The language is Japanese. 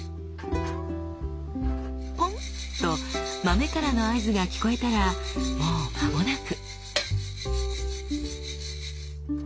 「ポン！」と豆からの合図が聞こえたらもうまもなく。